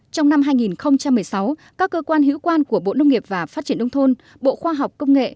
trong năm hai nghìn một mươi sáu các cơ quan hữu quan của bộ nông nghiệp và phát triển nông thôn bộ khoa học công nghệ